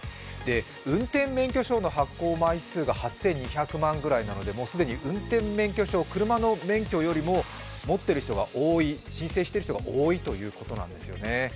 運転免許証の発行枚数が８２００万ぐらいなので既に運転免許証、車の免許よりも持っている人が多い、申請している人が多いということなんですね。